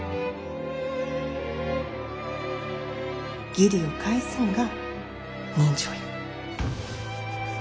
義理を返すんが人情や。